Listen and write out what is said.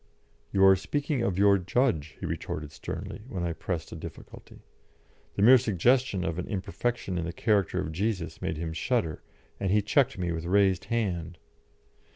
"You are speaking of your Judge," he retorted sternly, when I pressed a difficulty. The mere suggestion of an imperfection in the character of Jesus made him shudder, and he checked me with raised hand.